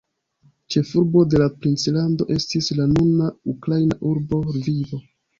Ĉefurbo de la princlando estis la nuna ukraina urbo Lvivo.